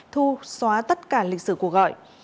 thu xóa tất cả lịch sử của gọi